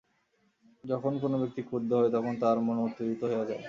যখন কোন ব্যক্তি ক্রুদ্ধ হয়, তখন তাহার মন উত্তেজিত হইয়া যায়।